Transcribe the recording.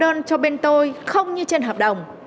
tôi đang cho bên tôi không như trên hợp đồng